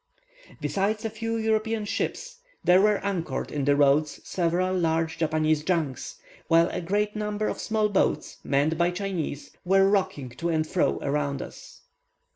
Besides a few European ships, there were anchored in the roads several large Chinese junks, while a great number of small boats, manned by Chinese, were rocking to and fro around us.